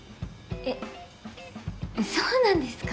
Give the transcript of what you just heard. えっそうなんですか？